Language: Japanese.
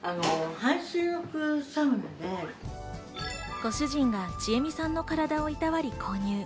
ご主人がちえみさんの体をいたわり購入。